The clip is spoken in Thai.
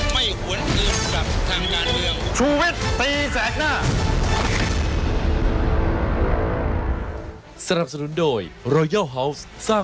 ไม่หวนอื่นกับทางยานเรือง